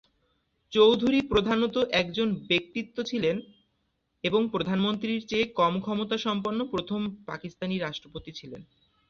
চৌধুরী প্রধানত একজন ব্যক্তিত্ব ছিলেন এবং প্রধানমন্ত্রীর চেয়ে কম ক্ষমতা সম্পন্ন প্রথম পাকিস্তানি রাষ্ট্রপতি ছিলেন।